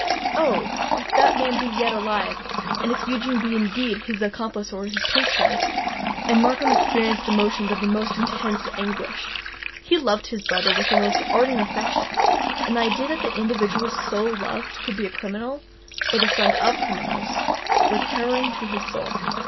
Oh! if that man be yet alive—and if Eugene be indeed his accomplice or his patron——" And Markham experienced emotions of the most intense anguish! He loved his brother with the most ardent affection; and the idea that the individual so loved could be a criminal, or the friend of criminals, was harrowing to his soul.